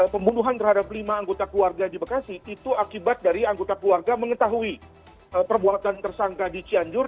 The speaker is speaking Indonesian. pembunuhan terhadap lima anggota keluarga di bekasi itu akibat dari anggota keluarga mengetahui perbuatan tersangka di cianjur